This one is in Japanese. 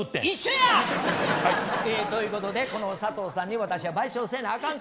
一緒や！ということでこの佐藤さんに私は賠償せなあ